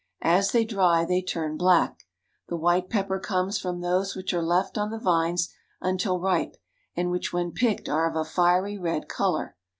As they dry, they turn black. The white pepper comes from those which are left on the vines until ripe, and which when picked are of a fiery red color.